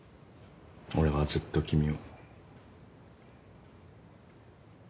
俺はずっと君を。